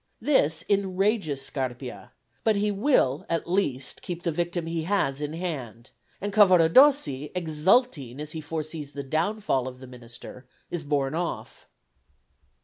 This enrages Scarpia, but he will at least keep the victim he has in hand; and Cavaradossi, exulting as he foresees the downfall of the minister, is borne off.